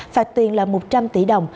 phạt tiền là một trăm linh tỷ đồng